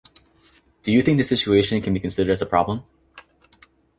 Do you think this situation can be considered as a problem?